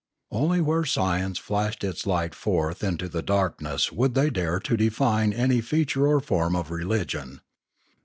Only where science flashed its light forth into the darkness would they dare to define any feature or form of religion.